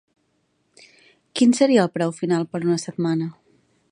Quin seria el preu final per una setmana?